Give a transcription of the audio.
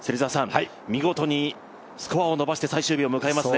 見事にスコアを伸ばして最終日を迎えますね。